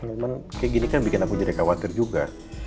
cuman kayak gini kan bikin aku jadi khawatir juga